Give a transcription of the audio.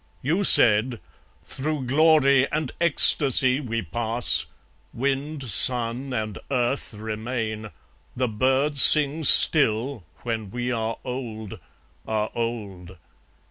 You said, "Through glory and ecstasy we pass; Wind, sun, and earth remain, the birds sing still, When we are old, are old.